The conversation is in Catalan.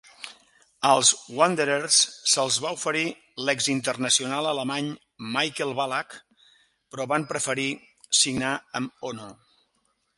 Als Wanderers se'ls va oferir l'exinternacional alemany Michael Ballack, però van preferir signar amb Ono.